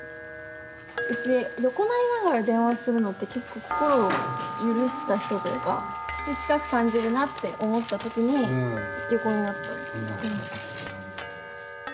うち横になりながら電話するのって結構心を許した人というか近く感じるなって思った時に横になった。